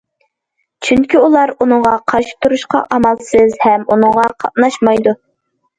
چۈنكى ئۇلار ئۇنىڭغا قارشى تۇرۇشقا ئامالسىز، ھەم ئۇنىڭغا قاتناشمايدۇ.